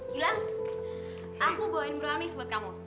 gilang aku bawain brownies buat kamu